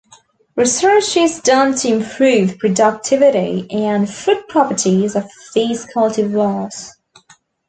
Research is done to improve productivity and fruit properties of these cultivars.